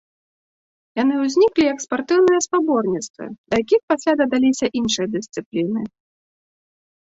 Яны ўзніклі як спартыўныя спаборніцтвы, да якіх пасля дадаліся іншыя дысцыпліны.